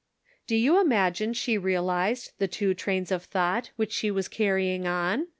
" Do you imagine she realized the two trains of thought which she was carrying on ?